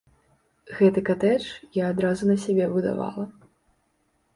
Гэты катэдж я адразу на сябе будавала.